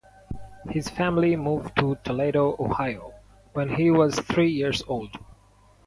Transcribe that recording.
His family moved to Toledo, Ohio, when he was three years old.